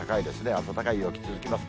暖かい陽気続きます。